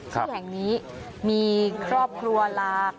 ที่แห่งนี้มีครอบครัวลา